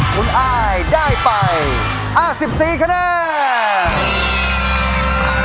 คุณอายได้ไป๕๔คะแนน